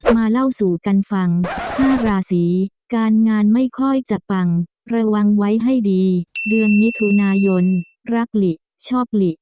มาเล่าสู่กันฟัง๕ราศีการงานไม่ค่อยจะปังระวังไว้ให้ดีเดือนมิถุนายนรักหลิชอบหลี